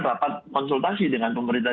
rapat konsultasi dengan pemerintah